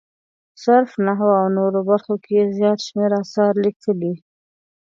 صرف، نحوه او نورو برخو کې یې زیات شمېر اثار لیکلي.